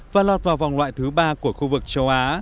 và lọt vào vòng loại thứ ba của khu vực châu á